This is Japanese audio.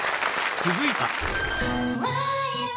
続いては。